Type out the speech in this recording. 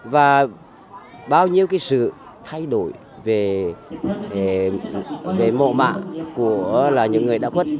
và bao nhiêu cái sự thay đổi về mộ mạ của là những người đã khuất